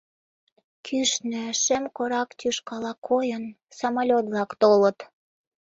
Кӱшнӧ, шем корак тӱшкала койын, самолёт-влак толыт.